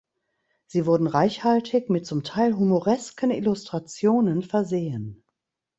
Sie wurden reichhaltig mit zum Teil humoresken Illustrationen versehen.